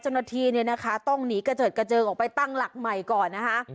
เจ้าหน้าที่เนี่ยนะคะต้องหนีกระเจิดกระเจิงออกไปตั้งหลักใหม่ก่อนนะคะ